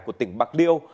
của tỉnh bạc liêu